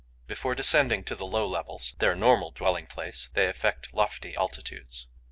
Before descending to the low levels, their normal dwelling place, they affect lofty altitudes.